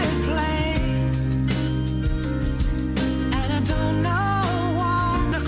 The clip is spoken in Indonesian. gak boleh ada di sensor nih